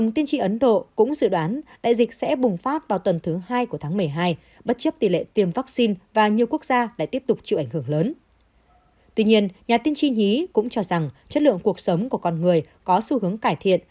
tuy nhiên nhà tiên tri nhí cũng cho rằng chất lượng cuộc sống của con người có xu hướng cải thiện